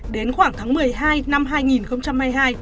đến khoảng tháng một mươi hai năm hai nghìn hai mươi hai